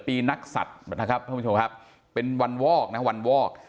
ปีนักสัตว์นะครับเป็นวันวอกนะวันวอก